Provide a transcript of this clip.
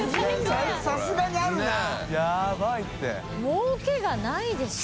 もうけがないでしょ。